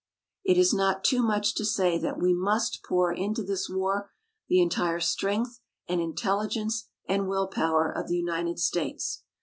It is not too much to say that we must pour into this war the entire strength and intelligence and will power of the United States.